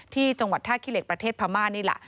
ที่จังหวัดท่าขี้เหล็กประเทศพม่านี่แหละ